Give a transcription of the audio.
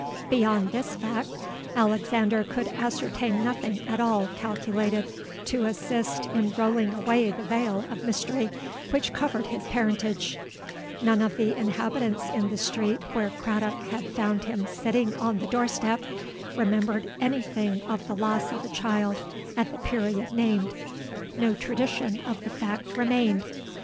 Beyond this fact Alexander could ascertain nothing at all calculated to assist in rolling away the veil of mystery which covered his parentage: none of the inhabitants in the street where Craddock had found him sitting on the door step, remembered any thing of the loss of a child at the period named;—no tradition of the fact remained.